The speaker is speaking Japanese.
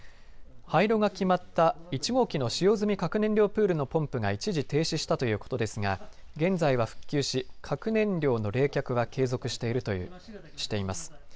廃炉が決まった１号機の使用済み核燃料プールのポンプが一時、停止したということですが現在は復旧し核燃料の冷却は継続しているとしています。